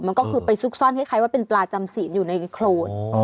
มันก็คือไปซุกซ่อนคล้ายว่าเป็นปลาจำศีลอยู่ในโครน